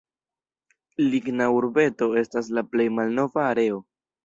Ligna Urbeto estas la plej malnova areo.